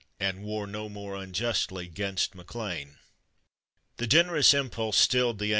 And war no more unj'istly 'g«in*t MacLean The generous impulse stilled the angry band.